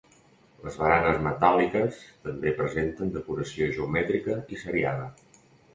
Les baranes metàl·liques també presenten decoració geomètrica i seriada.